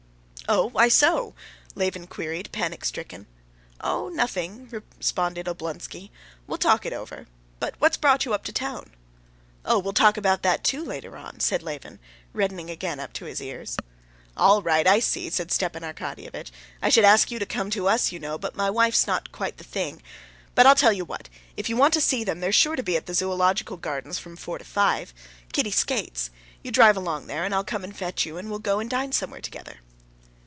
"Oh, why so?" Levin queried, panic stricken. "Oh, nothing," responded Oblonsky. "We'll talk it over. But what's brought you up to town?" "Oh, we'll talk about that, too, later on," said Levin, reddening again up to his ears. "All right. I see," said Stepan Arkadyevitch. "I should ask you to come to us, you know, but my wife's not quite the thing. But I tell you what; if you want to see them, they're sure now to be at the Zoological Gardens from four to five. Kitty skates. You drive along there, and I'll come and fetch you, and we'll go and dine somewhere together."